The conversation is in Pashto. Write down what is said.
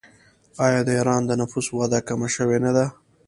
آیا د ایران د نفوس وده کمه شوې نه ده؟